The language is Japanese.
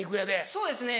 そうですね。